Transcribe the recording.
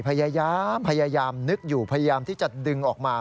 พยายามพยายามนึกอยู่พยายามที่จะดึงออกมา